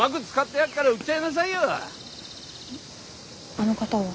あの方は？